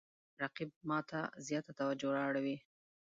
رقیب ما ته زیاته توجه را اړوي